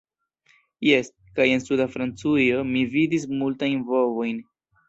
Jes, kaj en suda Francujo mi vidis multajn bovojn..